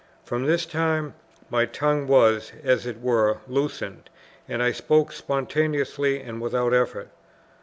From this time my tongue was, as it were, loosened, and I spoke spontaneously and without effort.